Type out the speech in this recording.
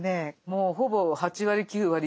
もうほぼ８割９割